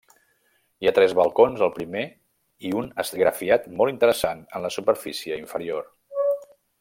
Hi ha tres balcons al primer i un esgrafiat molt interessant en la superfície inferior.